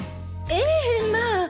ええまぁ。